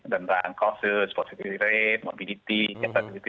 tentang causes positive rate maupun yang lainnya